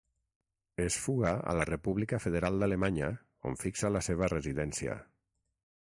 Es fuga a la República Federal d'Alemanya on fixa la seva residència.